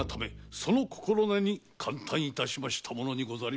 その心根に感嘆いたしましたものにござりまする。